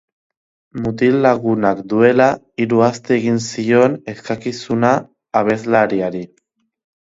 Mutil-lagunak duela hiru aste egin zion eskakizuna abeslariari.